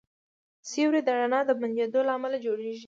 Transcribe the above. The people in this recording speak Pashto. سیوری د رڼا د بندېدو له امله جوړېږي.